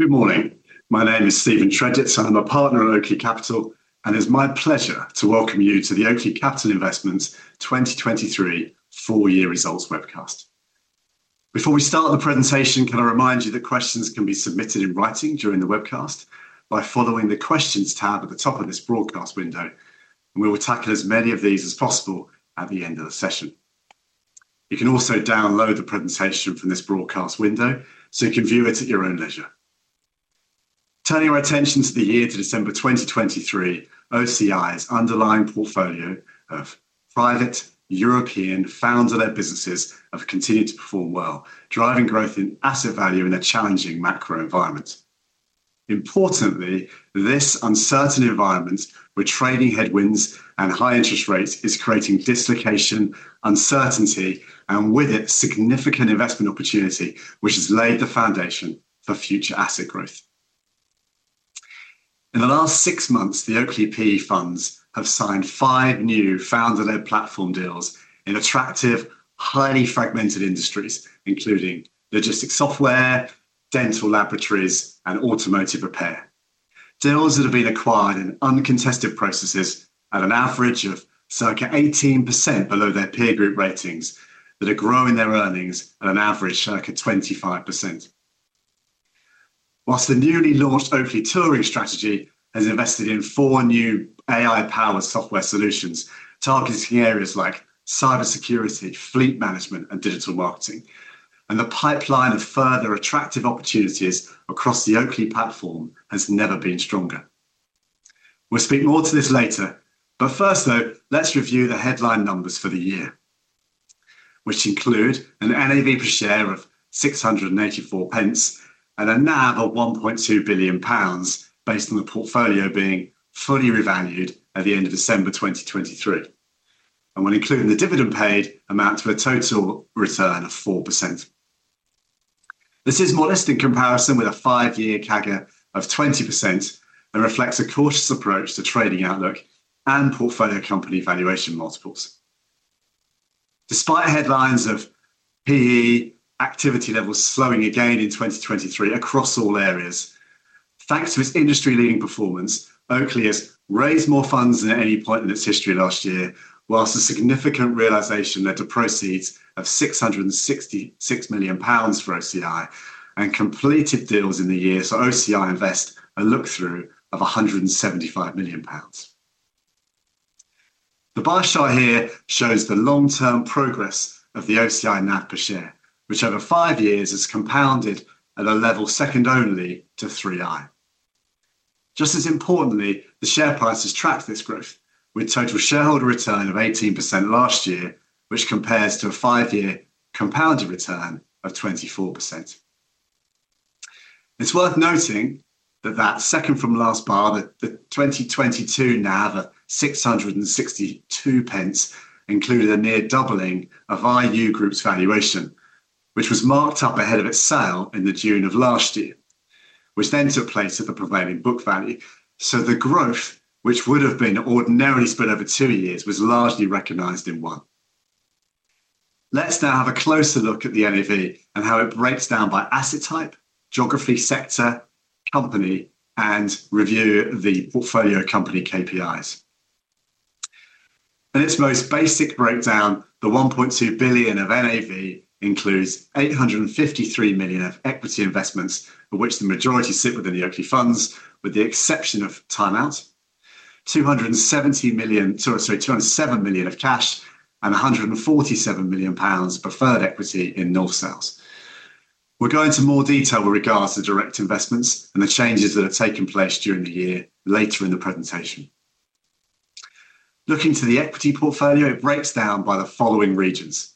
Good morning. My name is Steven Tredget, so I'm a partner at Oakley Capital, and it's my pleasure to welcome you to the Oakley Capital Investments 2023 Full Year Results Webcast. Before we start the presentation, can I remind you that questions can be submitted in writing during the webcast by following the Questions tab at the top of this broadcast window, and we will tackle as many of these as possible at the end of the session. You can also download the presentation from this broadcast window, so you can view it at your own leisure. Turning our attention to the year to December 2023, OCI's underlying portfolio of private European founder-led businesses have continued to perform well, driving growth in asset value in a challenging macro environment. Importantly, this uncertain environment, with trading headwinds and high interest rates, is creating dislocation, uncertainty, and with it, significant investment opportunity, which has laid the foundation for future asset growth. In the last 6 months, the Oakley PE funds have signed 5 new founder-led platform deals in attractive, highly fragmented industries, including logistics software, dental laboratories, and automotive repair. Deals that have been acquired in uncontested processes at an average of circa 18% below their peer group ratings, that are growing their earnings at an average circa 25%. While the newly launched Oakley Touring strategy has invested in 4 new AI-powered software solutions, targeting areas like cybersecurity, fleet management, and digital marketing, and the pipeline of further attractive opportunities across the Oakley platform has never been stronger. We'll speak more to this later, but first, though, let's review the headline numbers for the year, which include an NAV per share of 6.84 and a NAV of 1.2 billion pounds, based on the portfolio being fully revalued at the end of December 2023, and when including the dividend paid, amount to a total return of 4%. This is modest in comparison with a 5-year CAGR of 20% and reflects a cautious approach to trading outlook and portfolio company valuation multiples. Despite headlines of PE activity levels slowing again in 2023 across all areas, thanks to its industry-leading performance, Oakley has raised more funds than at any point in its history last year, while a significant realization led to proceeds of 666 million pounds for OCI and completed deals in the year, so OCI invest a look-through of 175 million pounds. The bar chart here shows the long-term progress of the OCI NAV per share, which over 5 years has compounded at a level second only to 3i. Just as importantly, the share price has tracked this growth, with total shareholder return of 18% last year, which compares to a 5-year compounded return of 24%. It's worth noting that second from last bar, the 2022 NAV of GBP 6.62, included a near doubling of IU Group's valuation, which was marked up ahead of its sale in the June of last year, which then took place at the prevailing book value. So the growth, which would have been ordinarily spread over two years, was largely recognized in one. Let's now have a closer look at the NAV and how it breaks down by asset type, geography, sector, company, and review the portfolio company KPIs. In its most basic breakdown, the 1.2 billion of NAV includes 853 million of equity investments, of which the majority sit within the Oakley funds, with the exception of Time Out, 207 million of cash, and 147 million pounds preferred equity in North Sails. We'll go into more detail with regards to direct investments and the changes that have taken place during the year later in the presentation. Looking to the equity portfolio, it breaks down by the following regions: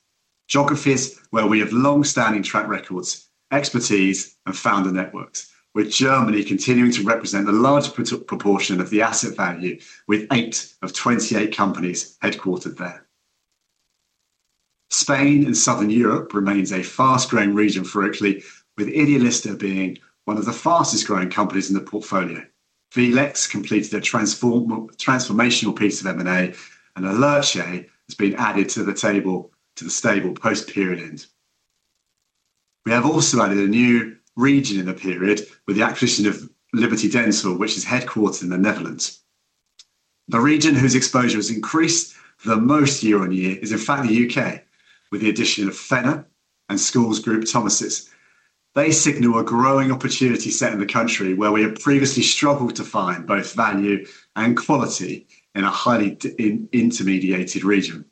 geographies, where we have long-standing track records, expertise, and founder networks, with Germany continuing to represent the largest proportion of the asset value, with eight of 28 companies headquartered there. Spain and Southern Europe remains a fast-growing region for Oakley, with Idealista being one of the fastest-growing companies in the portfolio. vLex completed a transformational piece of M&A, and Alerce has been added to the stable post-period end. We have also added a new region in the period with the acquisition of Liberty Dental, which is headquartered in the Netherlands. The region whose exposure has increased the most year-on-year is, in fact, the UK, with the addition of Phenna and Thomas's London Day Schools. They signal a growing opportunity set in the country where we have previously struggled to find both value and quality in a highly intermediated region.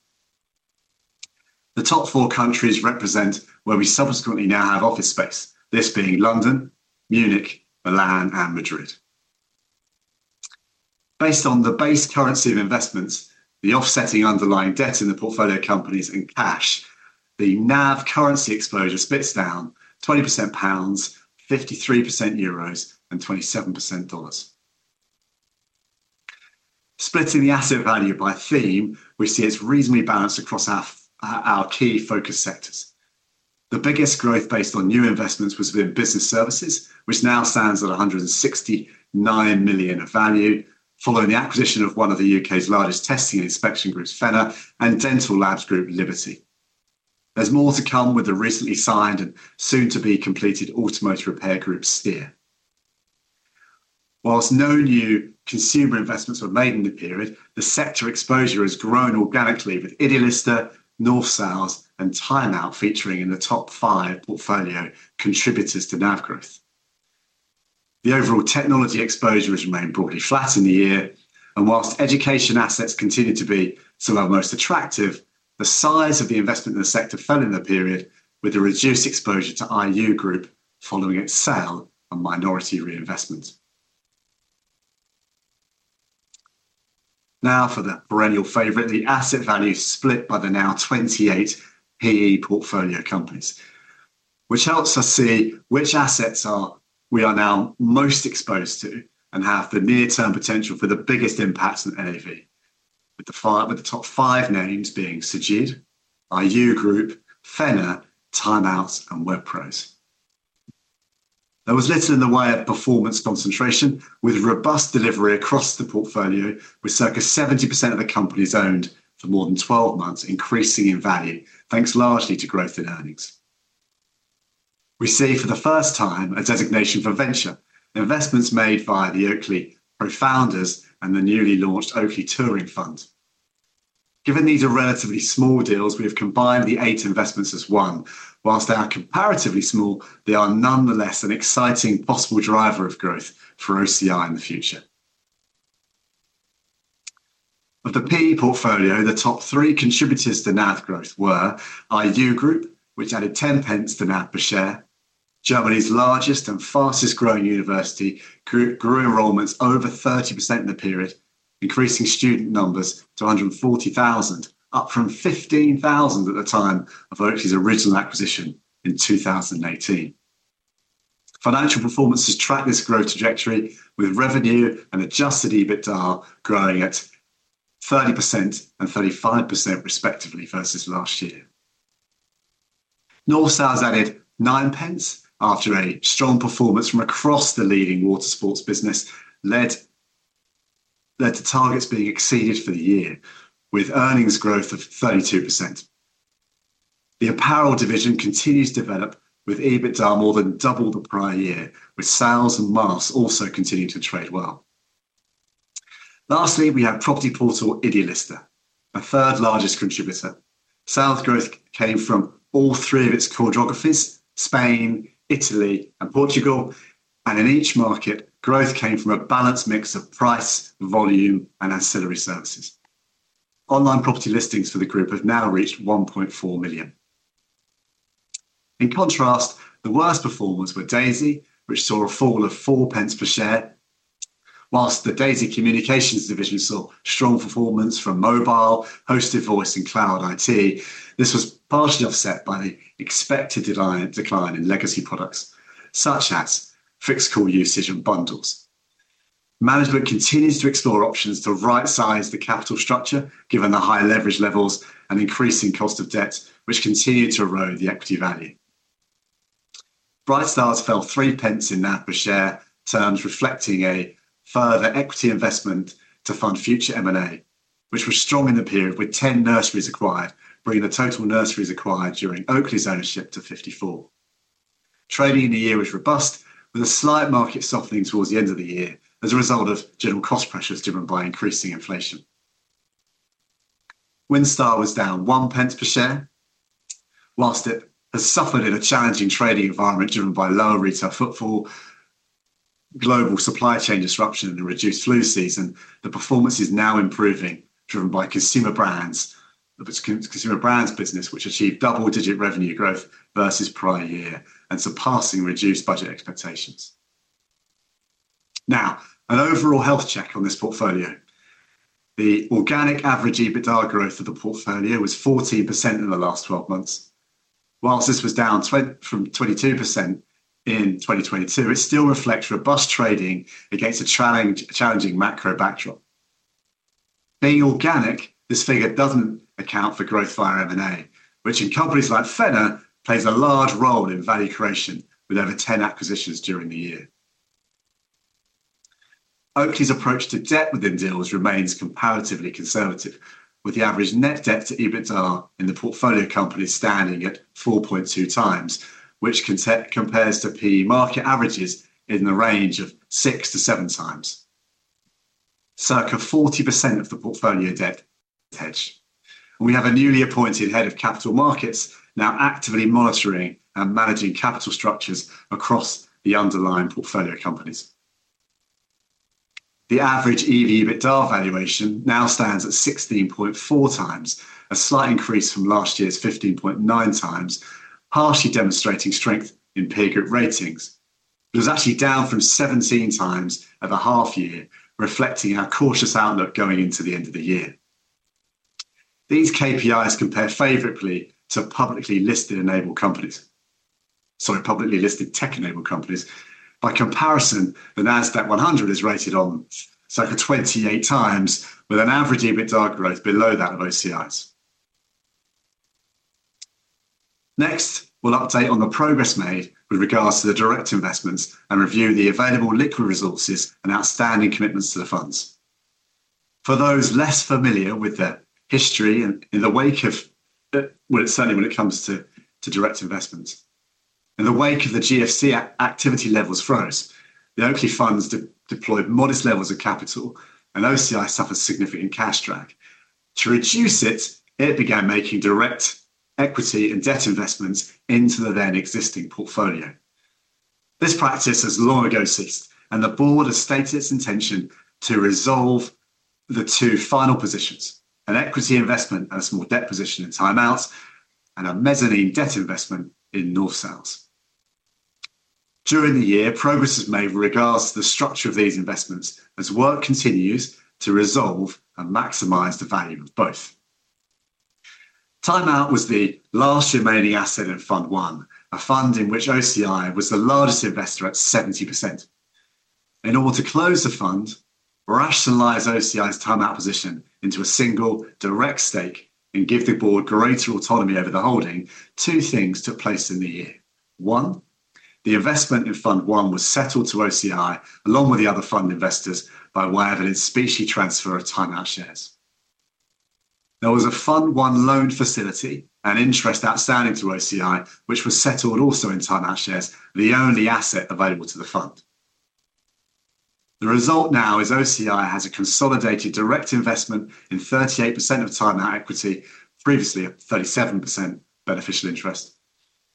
The top four countries represent where we subsequently now have office space, this being London, Munich, Milan, and Madrid. Based on the base currency of investments, the offsetting underlying debt in the portfolio companies and cash, the NAV currency exposure splits down 20% GBP, 53% EUR, and 27% USD. Splitting the asset value by theme, we see it's reasonably balanced across our, our key focus sectors. The biggest growth based on new investments was within business services, which now stands at 169 million of value, following the acquisition of one of the UK's largest testing and inspection groups, Phenna, and dental labs group, Liberty Dental. There's more to come with the recently signed and soon-to-be-completed automotive repair group, Steer. Whilst no new consumer investments were made in the period, the sector exposure has grown organically, with Idealista, North Sails, and Time Out featuring in the top five portfolio contributors to NAV growth. The overall technology exposure has remained broadly flat in the year, and whilst education assets continue to be some of our most attractive, the size of the investment in the sector fell in the period, with a reduced exposure to IU Group following its sale and minority reinvestment. Now for the perennial favorite, the asset value split by the now 28 PE portfolio companies, which helps us see which assets we are now most exposed to and have the near-term potential for the biggest impact on NAV, with the top five names being Cegid, IU Group, Phenna Group, Time Out, and WebPros. There was little in the way of performance concentration, with robust delivery across the portfolio, with circa 70% of the companies owned for more than 12 months increasing in value, thanks largely to growth in earnings. We see for the first time a designation for venture, investments made via the Oakley co-founders and the newly launched Oakley Touring Fund. Given these are relatively small deals, we have combined the 8 investments as one. While they are comparatively small, they are nonetheless an exciting possible driver of growth for OCI in the future. Of the PE portfolio, the top three contributors to NAV growth were IU Group, which added 0.10 to NAV per share. Germany's largest and fastest-growing university grew enrollments over 30% in the period, increasing student numbers to 140,000, up from 15,000 at the time of Oakley's original acquisition in 2018. Financial performance has tracked this growth trajectory, with revenue and adjusted EBITDA growing at 30% and 35% respectively versus last year. North Sails added 0.09 after a strong performance from across the leading water sports business, led to targets being exceeded for the year, with earnings growth of 32%. The apparel division continues to develop, with EBITDA more than double the prior year, with sales and margins also continuing to trade well. Lastly, we have property portal Idealista, our third-largest contributor. Sales growth came from all three of its core geographies, Spain, Italy, and Portugal, and in each market, growth came from a balanced mix of price, volume, and ancillary services. Online property listings for the group have now reached 1.4 million. In contrast, the worst performers were Daisy, which saw a fall of 0.04 per share. While the Daisy Communications division saw strong performance from mobile, hosted voice, and cloud IT, this was partially offset by the expected decline in legacy products, such as fixed call usage and bundles. Management continues to explore options to rightsize the capital structure, given the higher leverage levels and increasing cost of debt, which continue to erode the equity value. Bright Stars fell 3 pence in NAV per share, this reflecting a further equity investment to fund future M&A, which was strong in the period, with 10 nurseries acquired, bringing the total nurseries acquired during Oakley's ownership to 54. Trading in the year was robust, with a slight market softening towards the end of the year as a result of general cost pressures driven by increasing inflation. WindStar was down 1 pence per share. While it has suffered in a challenging trading environment driven by lower retail footfall, global supply chain disruption, and a reduced flu season, the performance is now improving, driven by consumer brands, the consumer brands business, which achieved double-digit revenue growth versus prior year and surpassing reduced budget expectations. Now, an overall health check on this portfolio. The organic average EBITDA growth of the portfolio was 14% in the last 12 months. While this was down from 22% in 2022, it still reflects robust trading against a challenging macro backdrop. Being organic, this figure doesn't account for growth via M&A, which in companies like Phenna, plays a large role in value creation, with over 10 acquisitions during the year. Oakley's approach to debt within deals remains comparatively conservative, with the average net debt to EBITDA in the portfolio companies standing at 4.2x, which compares to PE market averages in the range of 6x-7x. Circa 40% of the portfolio debt is hedged. We have a newly appointed head of capital markets now actively monitoring and managing capital structures across the underlying portfolio companies. The average EV/EBITDA valuation now stands at 16.4x, a slight increase from last year's 15.9x, partially demonstrating strength in peer group ratings. It was actually down from 17x at the half year, reflecting our cautious outlook going into the end of the year. These KPIs compare favorably to publicly listed enabled companies, sorry, publicly listed tech-enabled companies. By comparison, the Nasdaq 100 is rated on circa 28 times, with an average EBITDA growth below that of OCI's. Next, we'll update on the progress made with regards to the direct investments and review the available liquid resources and outstanding commitments to the funds. For those less familiar with the history and in the wake of, well, certainly when it comes to, to direct investments. In the wake of the GFC, activity levels froze. The Oakley funds deployed modest levels of capital, and OCI suffered significant cash drag. To reduce it, it began making direct equity and debt investments into the then existing portfolio. This practice has long ago ceased, and the board has stated its intention to resolve the two final positions: an equity investment and a small debt position in Time Out, and a mezzanine debt investment in North Sails. During the year, progress was made with regards to the structure of these investments as work continues to resolve and maximize the value of both. Time Out was the last remaining asset in Fund One, a fund in which OCI was the largest investor at 70%. In order to close the fund, rationalize OCI's Time Out position into a single direct stake and give the board greater autonomy over the holding, two things took place in the year. One, the investment in Fund One was settled to OCI, along with the other fund investors, by way of an in-specie transfer of Time Out shares. There was a Fund One loan facility and interest outstanding to OCI, which was settled also in Time Out shares, the only asset available to the fund. The result now is OCI has a consolidated direct investment in 38% of Time Out equity, previously a 37% beneficial interest,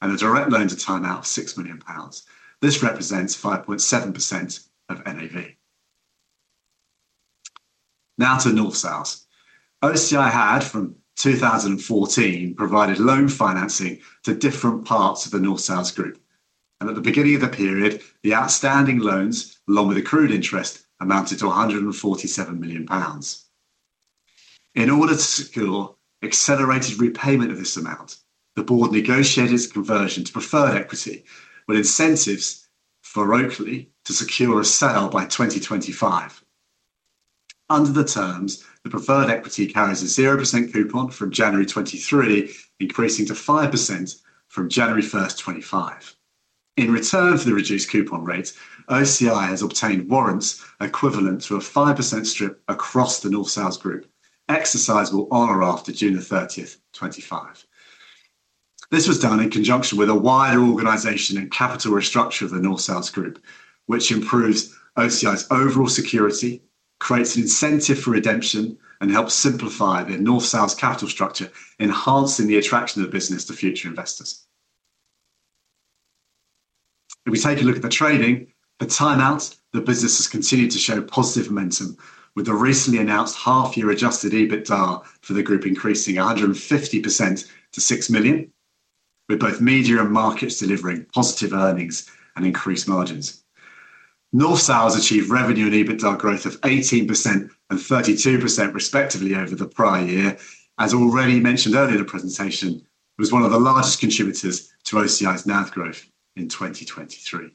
and a direct loan to Time Out of 6 million pounds. This represents 5.7% of NAV. Now to North Sails. OCI had, from 2014, provided loan financing to different parts of the North Sails Group, and at the beginning of the period, the outstanding loans, along with accrued interest, amounted to 147 million pounds. In order to secure accelerated repayment of this amount, the board negotiated its conversion to preferred equity, with incentives for Oakley to secure a sale by 2025. Under the terms, the preferred equity carries a 0% coupon from January 2023, increasing to 5% from January 1, 2025. In return for the reduced coupon rate, OCI has obtained warrants equivalent to a 5% strip across the North Sails Group, exercisable on or after June 30, 2025. This was done in conjunction with a wider organization and capital restructure of the North Sails Group, which improves OCI's overall security, creates an incentive for redemption, and helps simplify the North Sails' capital structure, enhancing the attraction of the business to future investors. If we take a look at the trading at Time Out, the business has continued to show positive momentum, with the recently announced half-year adjusted EBITDA for the group increasing 150% to 6 million, with both media and markets delivering positive earnings and increased margins. North Sails achieved revenue and EBITDA growth of 18% and 32% respectively over the prior year. As already mentioned earlier in the presentation, it was one of the largest contributors to OCI's NAV growth in 2023.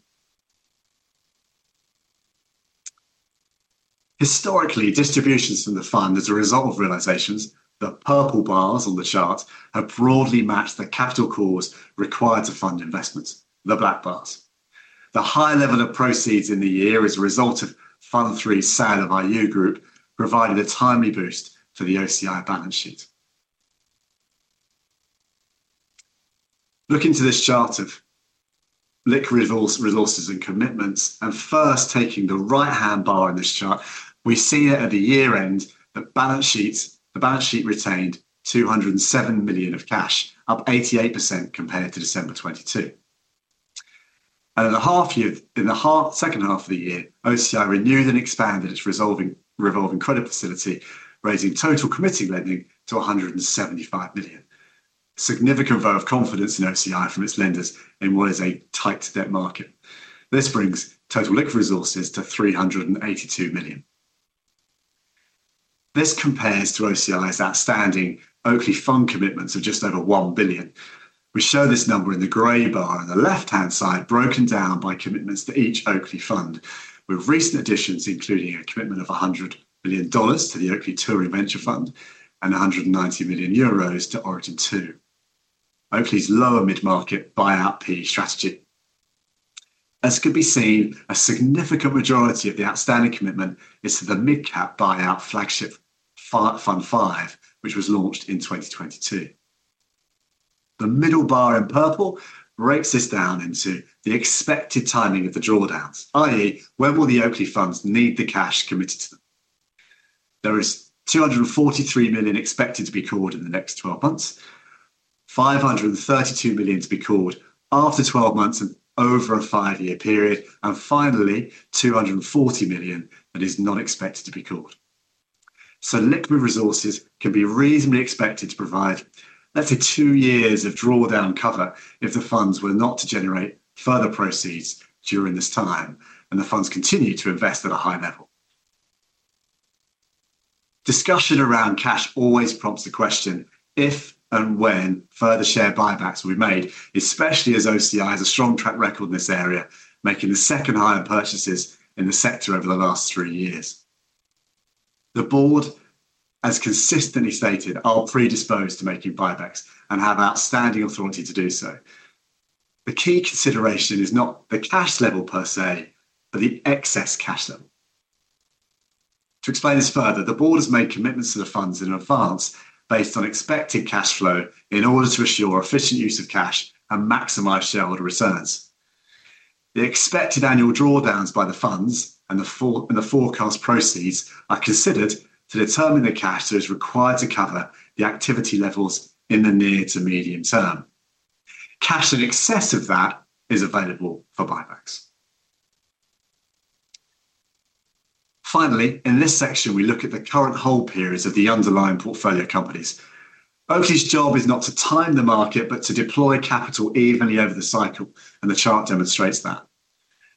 Historically, distributions from the fund as a result of realizations, the purple bars on the chart, have broadly matched the capital calls required to fund investments, the black bars. The high level of proceeds in the year is a result of Fund Three's sale of IU Group, providing a timely boost for the OCI balance sheet. Looking to this chart of liquid resources and commitments, and first taking the right-hand bar in this chart, we see at the year-end, the balance sheet retained 207 million of cash, up 88% compared to December 2022. And at the half year. In the second half of the year, OCI renewed and expanded its revolving credit facility, raising total committed lending to 175 million. Significant vote of confidence in OCI from its lenders in what is a tight debt market. This brings total liquid resources to 382 million. This compares to OCI's outstanding Oakley fund commitments of just over 1 billion. We show this number in the gray bar on the left-hand side, broken down by commitments to each Oakley fund, with recent additions including a commitment of $100 million to the Oakley Touring Venture Fund and 190 million euros to Origin Two, Oakley's lower mid-market buyout PE strategy. As can be seen, a significant majority of the outstanding commitment is to the midcap buyout flagship Fund Five, which was launched in 2022. The middle bar in purple breaks this down into the expected timing of the drawdowns, i.e., when will the Oakley funds need the cash committed to them? There is 243 million expected to be called in the next 12 months, 532 million to be called after 12 months and over a 5-year period, and finally, 240 million that is not expected to be called. So liquid resources can be reasonably expected to provide less than 2 years of drawdown cover if the funds were not to generate further proceeds during this time, and the funds continue to invest at a high level. Discussion around cash always prompts the question if and when further share buybacks will be made, especially as OCI has a strong track record in this area, making the second-highest purchases in the sector over the last 3 years. The board has consistently stated are predisposed to making buybacks and have outstanding authority to do so. The key consideration is not the cash level per se, but the excess cash level. To explain this further, the board has made commitments to the funds in advance based on expected cash flow in order to ensure efficient use of cash and maximize shareholder returns. The expected annual drawdowns by the funds and the forecast proceeds are considered to determine the cash that is required to cover the activity levels in the near to medium term. Cash in excess of that is available for buybacks. Finally, in this section, we look at the current hold periods of the underlying portfolio companies. Oakley's job is not to time the market, but to deploy capital evenly over the cycle, and the chart demonstrates that.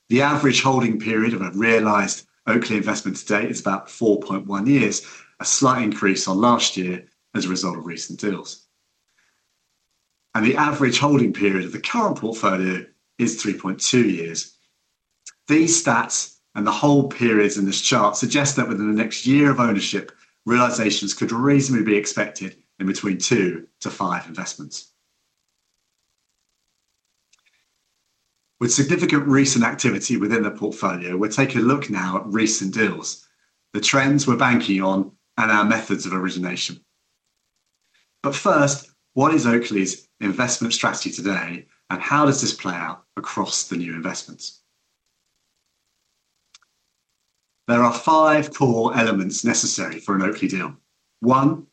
The average holding period of a realized Oakley investment to date is about 4.1 years, a slight increase on last year as a result of recent deals. And the average holding period of the current portfolio is 3.2 years. These stats and the hold periods in this chart suggest that within the next year of ownership, realizations could reasonably be expected in between 2-5 investments. With significant recent activity within the portfolio, we're taking a look now at recent deals, the trends we're banking on, and our methods of origination. But first, what is Oakley's investment strategy today, and how does this play out across the new investments? There are 5 core elements necessary for an Oakley deal. One,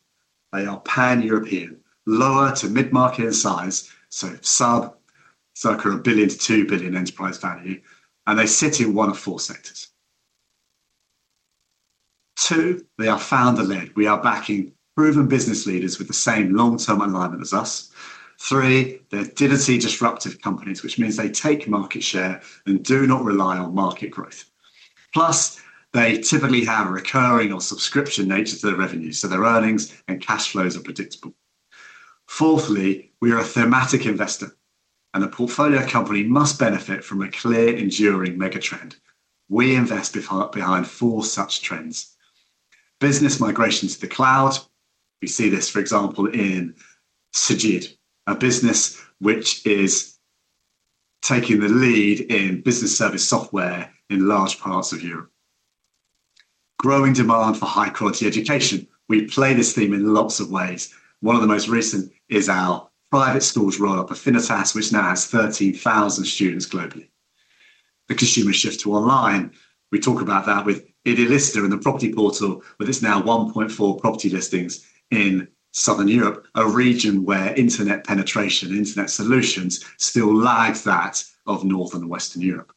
they are Pan-European, lower to mid-market in size, so sub, circa 1 billion-2 billion enterprise value, and they sit in one of four sectors. Two, they are founder-led. We are backing proven business leaders with the same long-term alignment as us. Three, they're truly disruptive companies, which means they take market share and do not rely on market growth. Plus, they typically have a recurring or subscription nature to their revenue, so their earnings and cash flows are predictable. Fourthly, we are a thematic investor, and the portfolio company must benefit from a clear, enduring mega trend. We invest behind four such trends. Business migration to the cloud. We see this, for example, in Cegid, a business which is taking the lead in business service software in large parts of Europe. Growing demand for high-quality education. We play this theme in lots of ways. One of the most recent is our private schools roll-up, Affinitas, which now has 13,000 students globally. The consumer shift to online, we talk about that with Idealista and the property portal, with its now 1.4 property listings in Southern Europe, a region where internet penetration, internet solutions still lag that of Northern and Western Europe.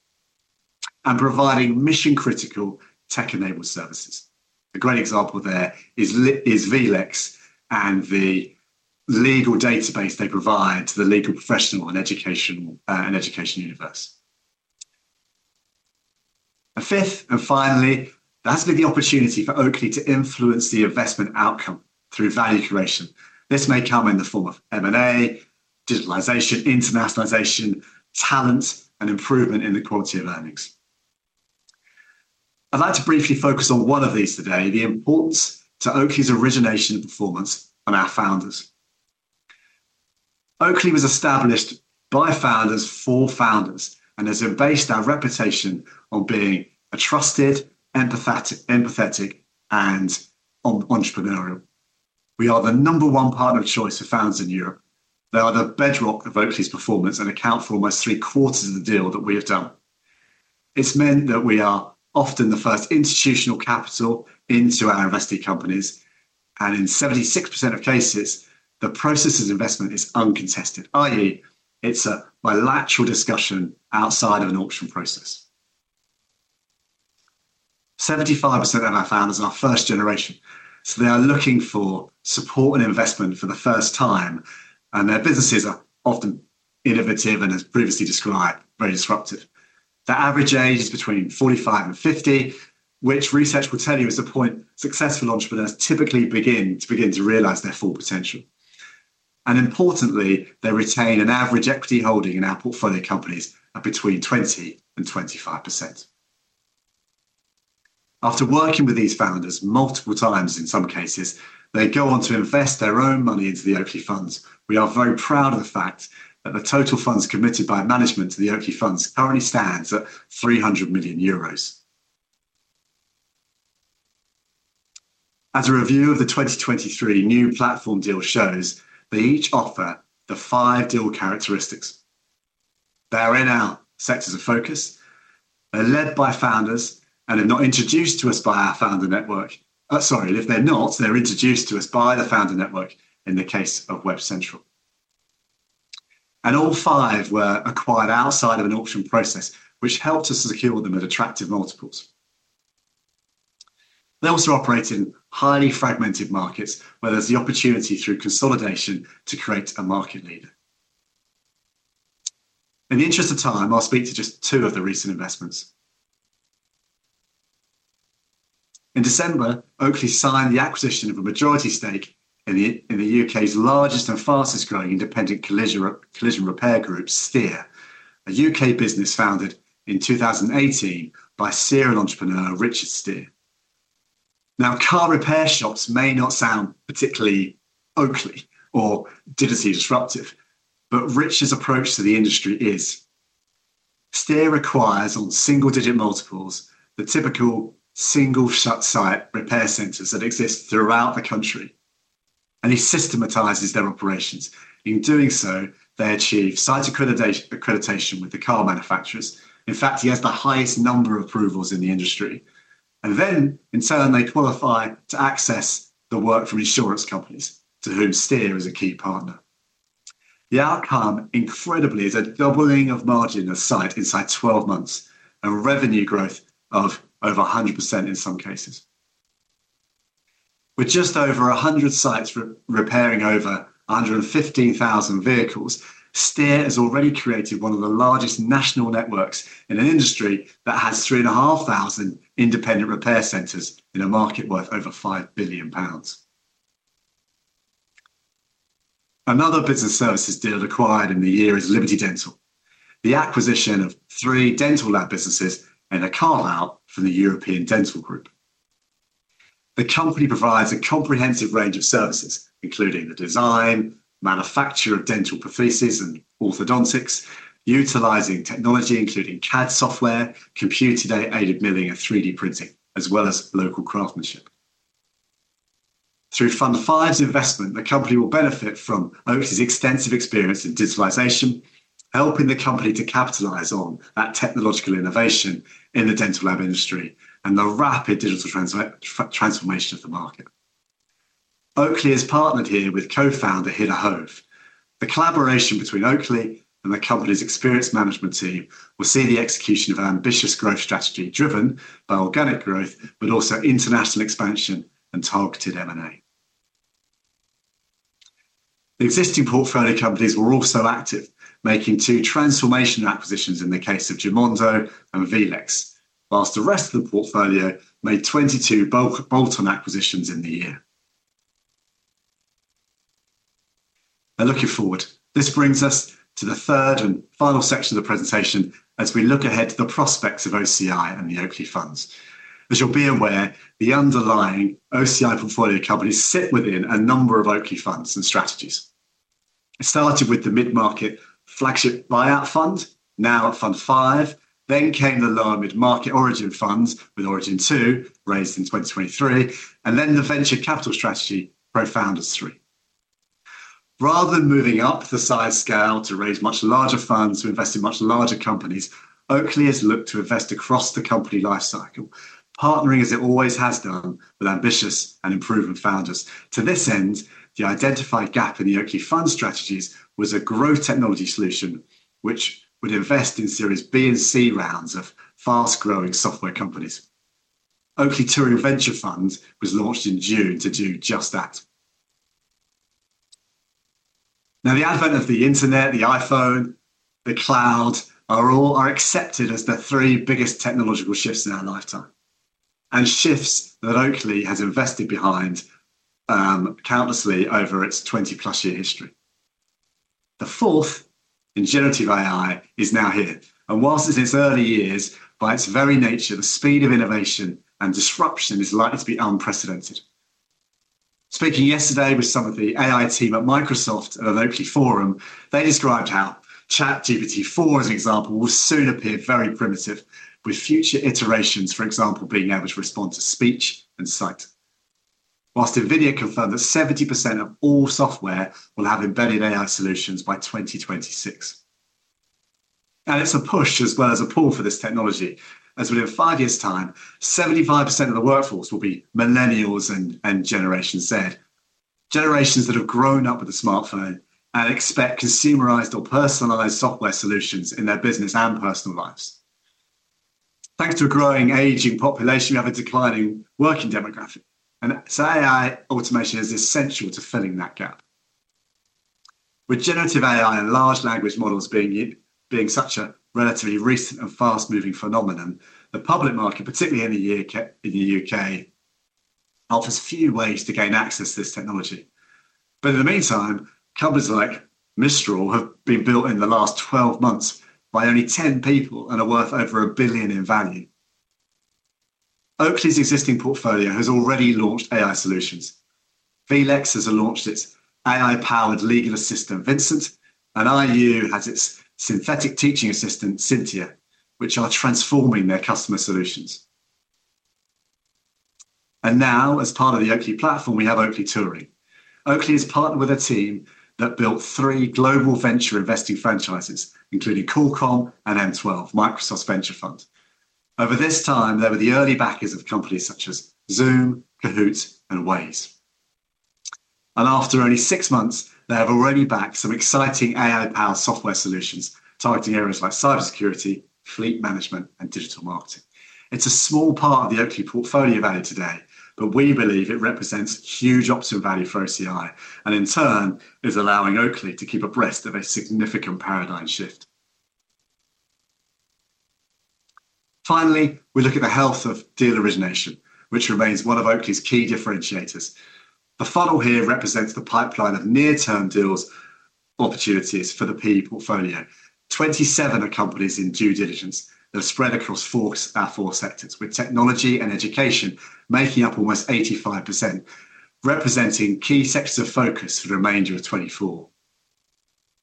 And providing mission-critical tech-enabled services. A great example there is vLex and the legal database they provide to the legal professional and educational, and education universe. A fifth, and finally, there has to be the opportunity for Oakley to influence the investment outcome through value creation. This may come in the form of M&A, digitalization, internationalization, talent, and improvement in the quality of earnings. I'd like to briefly focus on one of these today, the importance to Oakley's origination performance and our founders. Oakley was established by founders for founders, and has embraced our reputation on being a trusted, empathetic, and entrepreneurial. We are the No. 1 partner of choice for founders in Europe. They are the bedrock of Oakley's performance and account for almost three-quarters of the deals that we have done. It's meant that we are often the first institutional capital into our investee companies, and in 76% of cases, the proposed investment is uncontested, i.e., it's a bilateral discussion outside of an auction process. 75% of our founders are first generation, so they are looking for support and investment for the first time, and their businesses are often innovative and, as previously described, very disruptive. The average age is between 45 and 50, which research will tell you is the point successful entrepreneurs typically begin to realize their full potential. Importantly, they retain an average equity holding in our portfolio companies of between 20% and 25%. After working with these founders, multiple times in some cases, they go on to invest their own money into the Oakley funds. We are very proud of the fact that the total funds committed by management to the Oakley funds currently stands at 300 million euros. As a review of the 2023 new platform deal shows, they each offer the five deal characteristics. They are in our sectors of focus, are led by founders, and are not introduced to us by our founder network. Sorry, if they're not, they're introduced to us by the founder network in the case of WebCentral. All five were acquired outside of an auction process, which helped us secure them at attractive multiples. They also operate in highly fragmented markets, where there's the opportunity through consolidation to create a market leader. In the interest of time, I'll speak to just two of the recent investments. In December, Oakley signed the acquisition of a majority stake in the UK's largest and fastest-growing independent collision repair group, Steer, a UK business founded in 2018 by serial entrepreneur, Richard Steer. Now, car repair shops may not sound particularly Oakley or digitally disruptive, but Rich's approach to the industry is. Steer acquires on single-digit multiples, the typical single-site repair centers that exist throughout the country, and he systematizes their operations. In doing so, they achieve site accreditation with the car manufacturers. In fact, he has the highest number of approvals in the industry. Then, in turn, they qualify to access the work from insurance companies, to whom Steer is a key partner. The outcome, incredibly, is a doubling of margin of site inside 12 months, and revenue growth of over 100% in some cases. With just over 100 sites repairing over 115,000 vehicles, Steer has already created one of the largest national networks in an industry that has 3,500 independent repair centers in a market worth over 5 billion pounds. Another business services deal acquired in the year is Liberty Dental. The acquisition of three dental lab businesses and a carve-out from the European Dental Group. The company provides a comprehensive range of services, including the design, manufacture of dental prosthesis and orthodontics, utilizing technology, including CAD software, computer-aided milling, and 3D printing, as well as local craftsmanship. Through Fund Five's investment, the company will benefit from Oakley's extensive experience in digitalization, helping the company to capitalize on that technological innovation in the dental lab industry and the rapid digital transformation of the market. Oakley has partnered here with co-founder, Hidde Hoeve. The collaboration between Oakley and the company's experienced management team will see the execution of an ambitious growth strategy, driven by organic growth, but also international expansion and targeted M&A. The existing portfolio companies were also active, making two transformation acquisitions in the case of Gymondo and vLex. While the rest of the portfolio made 22 bolt-on acquisitions in the year. Now, looking forward, this brings us to the third and final section of the presentation as we look ahead to the prospects of OCI and the Oakley funds. As you'll be aware, the underlying OCI portfolio companies sit within a number of Oakley funds and strategies. It started with the mid-market flagship buyout fund, now at Fund Five. Then came the lower mid-market Origin funds, with Origin Two, raised in 2023, and then the venture capital strategy, PROfounders III. Rather than moving up the size scale to raise much larger funds, to invest in much larger companies, Oakley has looked to invest across the company life cycle, partnering, as it always has done, with ambitious and improving founders. To this end, the identified gap in the Oakley fund strategies was a growth technology solution, which would invest in Series B and C rounds of fast-growing software companies. Oakley Touring Venture Fund was launched in June to do just that. Now, the advent of the internet, the iPhone, the cloud, are all accepted as the three biggest technological shifts in our lifetime, and shifts that Oakley has invested behind countlessly over its 20+ year history. The fourth, in generative AI, is now here, and while it's in its early years, by its very nature, the speed of innovation and disruption is likely to be unprecedented. Speaking yesterday with some of the AI team at Microsoft at an Oakley forum, they described how ChatGPT Four, as an example, will soon appear very primitive, with future iterations, for example, being able to respond to speech and sight. While NVIDIA confirmed that 70% of all software will have embedded AI solutions by 2026. Now, it's a push as well as a pull for this technology. As within 5 years' time, 75% of the workforce will be Millennials and, and Generation Z. Generations that have grown up with a smartphone and expect consumerized or personalized software solutions in their business and personal lives. Thanks to a growing, aging population, we have a declining working demographic, and so AI automation is essential to filling that gap. With generative AI and large language models being such a relatively recent and fast-moving phenomenon, the public market, particularly in the year count, in the UK, offers few ways to gain access to this technology. But in the meantime, companies like Mistral have been built in the last 12 months by only 10 people and are worth over $1 billion in value. Oakley's existing portfolio has already launched AI solutions. vLex has launched its AI-powered legal assistant, Vincent, and IU has its synthetic teaching assistant, Syntea, which are transforming their customer solutions. Now, as part of the Oakley platform, we have Oakley Touring. Oakley has partnered with a team that built three global venture investing franchises, including Qualcomm and M12, Microsoft's venture fund. Over this time, they were the early backers of companies such as Zoom, Kahoot! and Waze. After only six months, they have already backed some exciting AI-powered software solutions, targeting areas like cybersecurity, fleet management, and digital marketing. It's a small part of the Oakley portfolio value today, but we believe it represents huge optional value for OCI, and in turn, is allowing Oakley to keep abreast of a significant paradigm shift. Finally, we look at the health of deal origination, which remains one of Oakley's key differentiators. The funnel here represents the pipeline of near-term deals, opportunities for the PE portfolio. 27 are companies in due diligence that are spread across 4, our 4 sectors, with technology and education making up almost 85%, representing key sectors of focus for the remainder of 2024.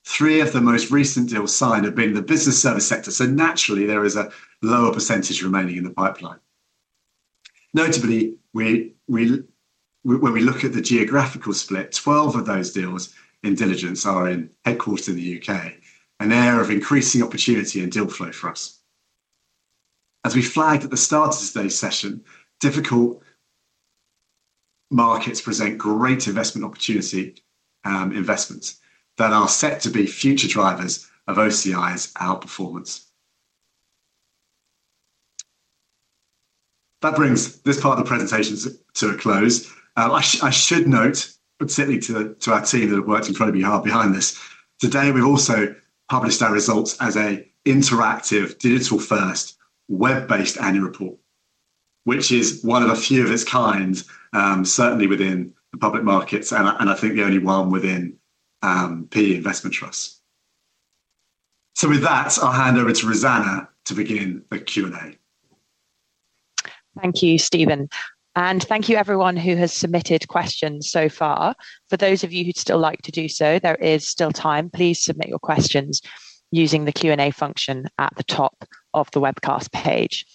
3 of the most recent deals signed have been in the business service sector, so naturally, there is a lower percentage remaining in the pipeline. Notably, when we look at the geographical split, 12 of those deals in diligence are headquartered in the UK, an area of increasing opportunity and deal flow for us. As we flagged at the start of today's session, difficult markets present great investment opportunity, investments, that are set to be future drivers of OCI's outperformance. That brings this part of the presentation to a close. I should note, certainly to our team that have worked incredibly hard behind this, today we've also published our results as a interactive, digital first, web-based annual report, which is one of a few of its kind, certainly within the public markets, and I think the only one within PE investment trusts. So with that, I'll hand over to Rosanna to begin the Q&A. Thank you, Steven. Thank you everyone who has submitted questions so far. For those of you who'd still like to do so, there is still time. Please submit your questions using the Q&A function at the top of the webcast page.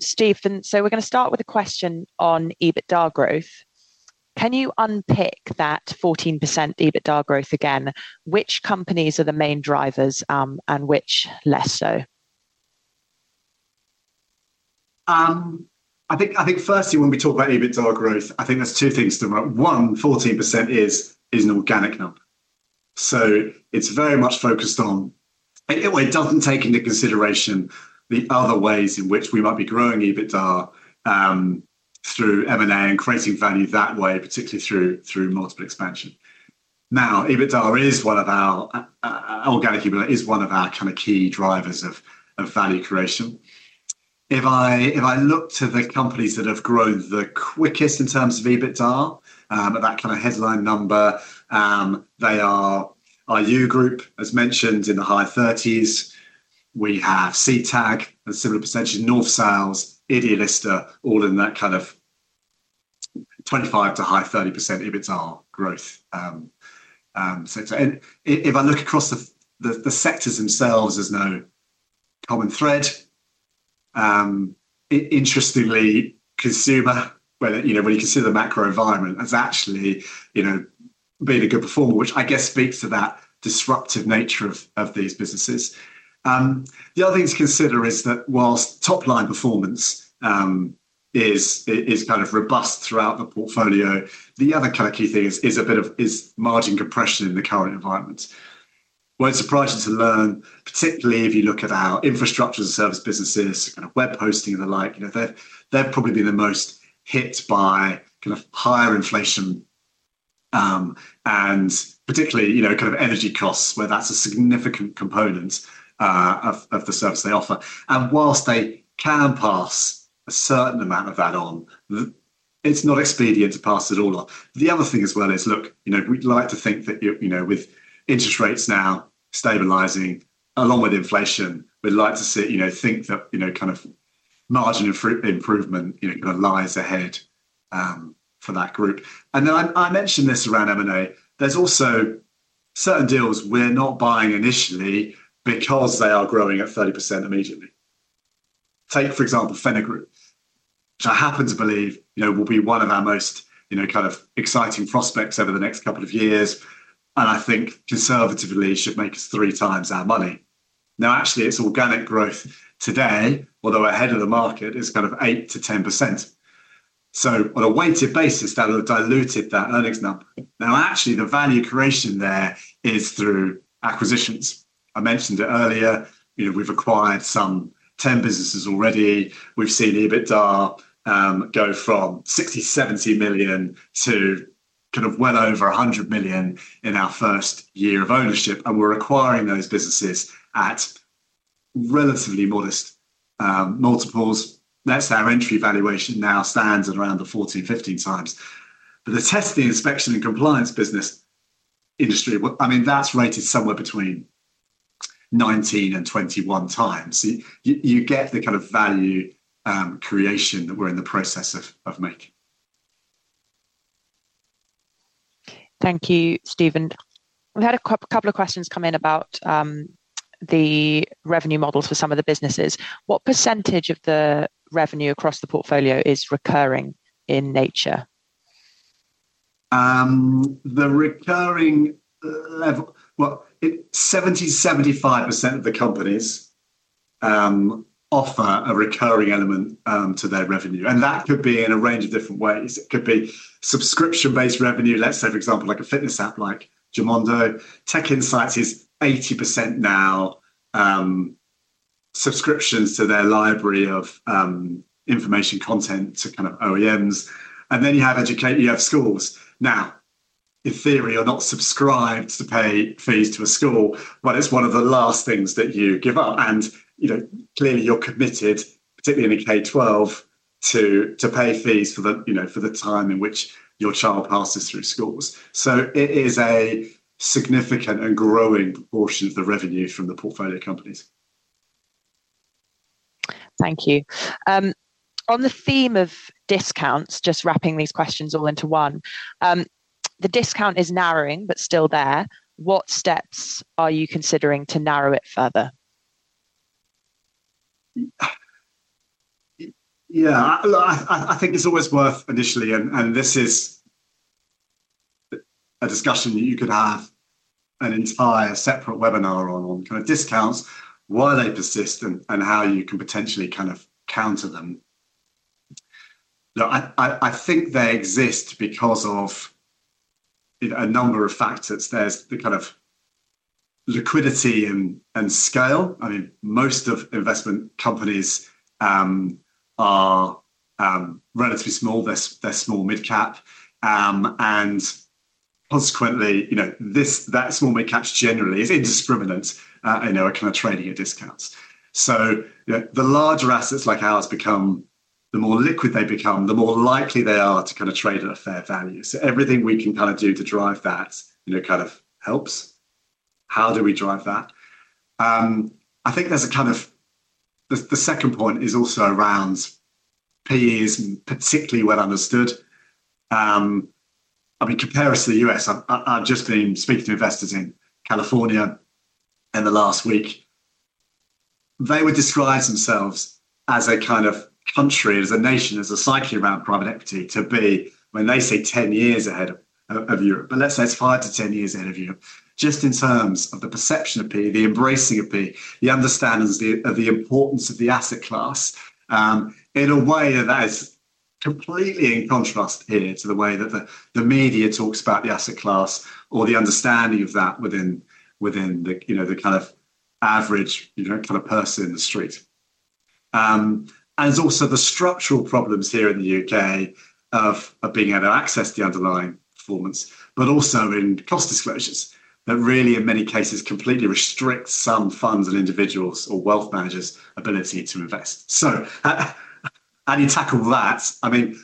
Steven, so we're gonna start with a question on EBITDA growth. Can you unpick that 14% EBITDA growth again? Which companies are the main drivers, and which less so? I think, I think firstly, when we talk about EBITDA growth, I think there's two things to note. One, 14% is an organic number. So it's very much focused on—it doesn't take into consideration the other ways in which we might be growing EBITDA, through M&A and creating value that way, particularly through multiple expansion. Now, EBITDA is one of our, organic EBITDA is one of our kind of key drivers of value creation. If I look to the companies that have grown the quickest in terms of EBITDA, at that kind of headline number, they are IU Group, as mentioned, in the high 30s%. We have Seedtag, a similar percentage, North Sails, Idealista, all in that kind of 25%-high 30% EBITDA growth. So to— If I look across the sectors themselves, there's no common thread. Interestingly, consumer, whether you know when you consider the macro environment, has actually you know been a good performer, which I guess speaks to that disruptive nature of these businesses. The other thing to consider is that while top-line performance is kind of robust throughout the portfolio, the other kind of key thing is a bit of margin compression in the current environment. Won't surprise you to learn, particularly if you look at our infrastructure as a service businesses, kind of web hosting and the like, you know, they've probably been the most hit by kind of higher inflation, and particularly you know kind of energy costs, where that's a significant component of the service they offer. While they can pass a certain amount of that on, the, it's not expedient to pass it all on. The other thing as well is, look, you know, we'd like to think that, you know, with interest rates now stabilizing, along with inflation, we'd like to see, you know, think that, you know, kind of margin improvement, you know, kind of lies ahead, for that group. And then I mentioned this around M&A, there's also certain deals we're not buying initially because they are growing at 30% immediately. Take, for example, Phenna Group, which I happen to believe, you know, will be one of our most, you know, kind of exciting prospects over the next couple of years, and I think conservatively should make us 3x our money. Now, actually, its organic growth today, although ahead of the market, is kind of 8%-10%. So on a weighted basis, that'll have diluted that earnings number. Now, actually, the value creation there is through acquisitions. I mentioned it earlier, you know, we've acquired some 10 businesses already. We've seen EBITDA go from 60-70 million to kind of well over 100 million in our first year of ownership, and we're acquiring those businesses at relatively modest multiples. That's our entry valuation now stands at around the 14-15 times. But the testing, inspection, and compliance business industry, well, I mean, that's rated somewhere between 19-21 times. You get the kind of value creation that we're in the process of making. Thank you, Steven. We've had a couple of questions come in about the revenue models for some of the businesses. What percentage of the revenue across the portfolio is recurring in nature? Well, it 70%-75% of the companies offer a recurring element to their revenue, and that could be in a range of different ways. It could be subscription-based revenue, let's say, for example, like a fitness app like Gymondo. TechInsights is 80% now subscriptions to their library of information content to kind of OEMs. And then you have education, you have schools. Now, in theory, you're not subscribed to pay fees to a school, but it's one of the last things that you give up. And, you know, clearly, you're committed, particularly in the K-12 to pay fees for the, you know, for the time in which your child passes through schools. So it is a significant and growing portion of the revenue from the portfolio companies. Thank you. On the theme of discounts, just wrapping these questions all into one, the discount is narrowing, but still there. What steps are you considering to narrow it further? Yeah, look, I think it's always worth initially, and this is a discussion that you could have an entire separate webinar on, on kind of discounts, why they persist, and how you can potentially kind of counter them. Look, I think they exist because of, you know, a number of factors. There's the kind of liquidity and scale. I mean, most investment companies are relatively small. They're small mid-cap, and consequently, you know, that small mid-cap generally is indiscriminate in their kind of trading at discounts. So, you know, the larger assets like ours become, the more liquid they become, the more likely they are to kind of trade at a fair value. So everything we can kind of do to drive that, you know, kind of helps. How do we drive that? I think there's a kind of, the second point is also around PE and particularly well understood. I mean, compare us to the U.S. I've just been speaking to investors in California in the last week. They would describe themselves as a kind of country, as a nation, as a cycle around private equity, to be, when they say, 10 years ahead of, of Europe, but let's say it's 5-10 years ahead of Europe, just in terms of the perception of PE, the embracing of PE, the understandings, the, of the importance of the asset class, in a way that is completely in contrast here to the way that the, the media talks about the asset class or the understanding of that within, within the, you know, the kind of average, you know, kind of person in the street. And it's also the structural problems here in the UK of, of being able to access the underlying performance, but also in cost disclosures, that really, in many cases, completely restricts some funds' and individuals' or wealth managers' ability to invest. So how do you tackle that? I mean,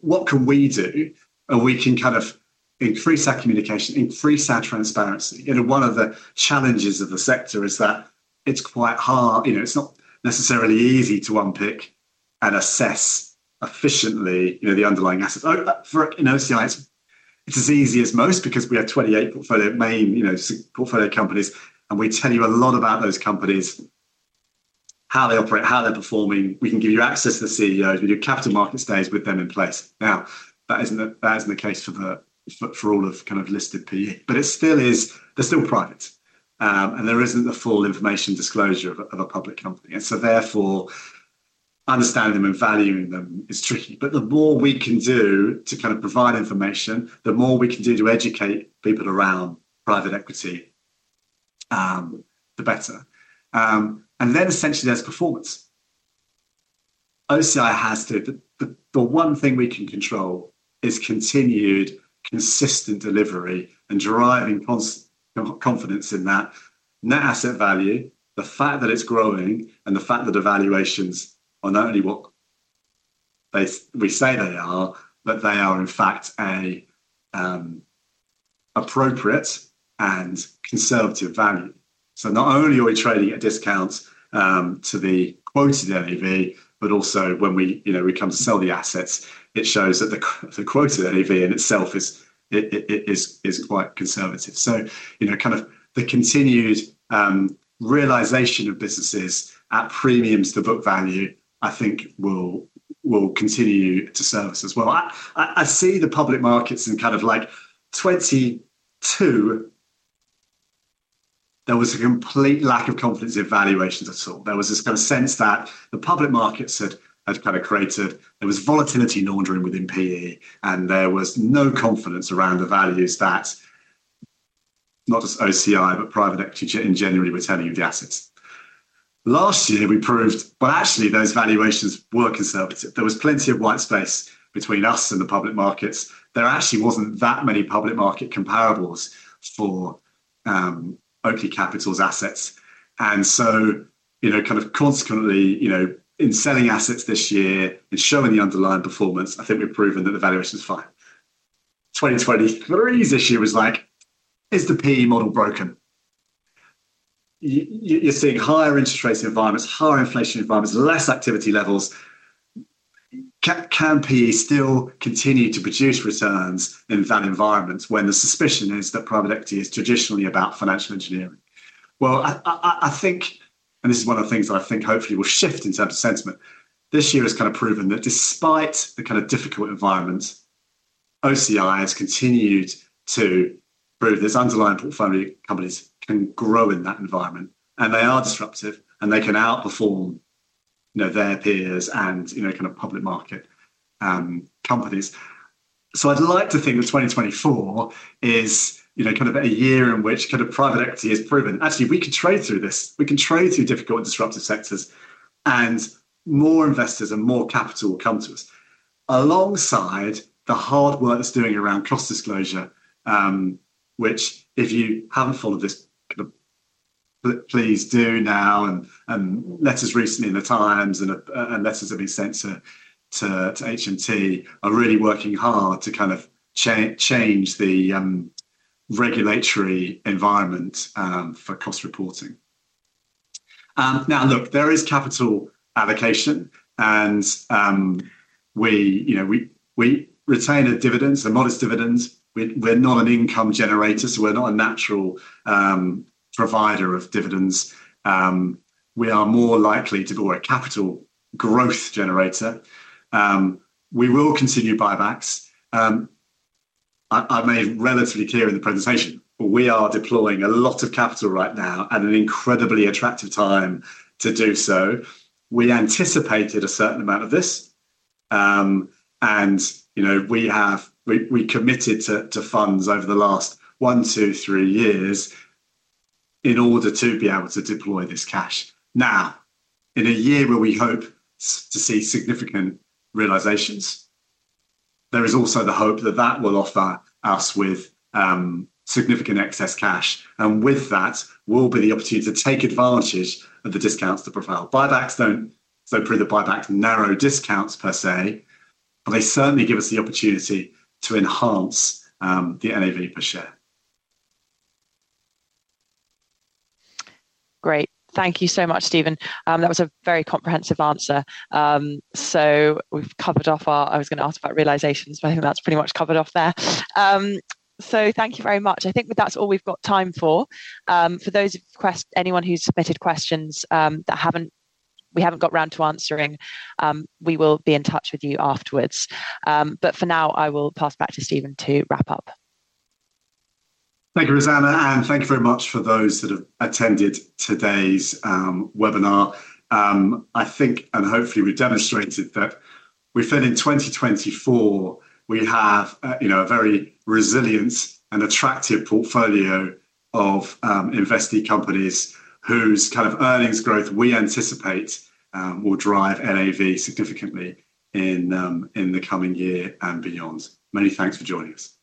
what can we do? And we can kind of increase that communication, increase that transparency. You know, one of the challenges of the sector is that it's quite hard. You know, it's not necessarily easy to unpick and assess efficiently, you know, the underlying assets. For, in OCI, it's as easy as most because we have 28 portfolio, main, you know, portfolio companies, and we tell you a lot about those companies, how they operate, how they're performing. We can give you access to the CEOs. We do capital markets days with them in place. Now, that isn't the case for all of kind of listed PE, but it still is, they're still private. And there isn't the full information disclosure of a public company, and so therefore, understanding them and valuing them is tricky. But the more we can do to kind of provide information, the more we can do to educate people around private equity, the better. And then essentially, there's performance. OCI has to—the one thing we can control is continued consistent delivery and driving confidence in that net asset value, the fact that it's growing, and the fact that the valuations are not only what we say they are, but they are, in fact, an appropriate and conservative value. So not only are we trading at discounts to the quoted NAV, but also when we, you know, we come to sell the assets, it shows that the quoted NAV in itself is quite conservative. So, you know, kind of the continued realization of businesses at premiums to book value, I think will continue to serve us as well. I see the public markets in kind of like 2022, there was a complete lack of confidence in valuations at all. There was this kind of sense that the public markets had kind of created, there was volatility laundering within PE, and there was no confidence around the values that not just OCI, but private equity generally were telling you the assets. Last year, we proved, well, actually, those valuations were conservative. There was plenty of white space between us and the public markets. There actually wasn't that many public market comparables for Oakley Capital's assets, and so, you know, kind of consequently, you know, in selling assets this year, in showing the underlying performance, I think we've proven that the valuation is fine. 2023's issue was like, is the PE model broken? You're seeing higher interest rates environments, higher inflation environments, less activity levels. Can PE still continue to produce returns in that environment when the suspicion is that private equity is traditionally about financial engineering? Well, I think, and this is one of the things that I think hopefully will shift in terms of sentiment, this year has kind of proven that despite the kind of difficult environment, OCI has continued to prove this underlying portfolio companies can grow in that environment, and they are disruptive, and they can outperform, you know, their peers and, you know, kind of public market companies. So I'd like to think that 2024 is, you know, kind of a year in which kind of private equity is proven. Actually, we can trade through this. We can trade through difficult and disruptive sectors, and more investors and more capital will come to us. Alongside the hard work that's doing around cost disclosure, which if you haven't followed this kind of— Please do now and letters recently in the Times and letters that have been sent to HMT are really working hard to kind of change the regulatory environment for cost reporting. Now, look, there is capital allocation and we, you know, we retain the dividends, the modest dividends. We're not an income generator, so we're not a natural provider of dividends. We are more likely to be a capital growth generator. We will continue buybacks. I made relatively clear in the presentation, we are deploying a lot of capital right now at an incredibly attractive time to do so. We anticipated a certain amount of this and, you know, we have— We committed to funds over the last one, two, three years in order to be able to deploy this cash. Now, in a year where we hope to see significant realizations, there is also the hope that that will offer us with significant excess cash, and with that will be the opportunity to take advantage of the discounts to profile. Buybacks don't prove the buyback narrow discounts per se, but they certainly give us the opportunity to enhance the NAV per share. Great. Thank you so much, Steven. That was a very comprehensive answer. So we've covered off. I was gonna ask about realizations, but I think that's pretty much covered off there. So thank you very much. I think that's all we've got time for. For those who submitted questions that we haven't got round to answering, we will be in touch with you afterwards. But for now, I will pass back to Steven to wrap up. Thank you, Rosanna, and thank you very much for those that have attended today's webinar. I think, and hopefully, we demonstrated that we feel in 2024, we have, you know, a very resilient and attractive portfolio of investee companies whose kind of earnings growth we anticipate will drive NAV significantly in, in the coming year and beyond. Many thanks for joining us.